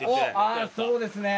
あっそうですね。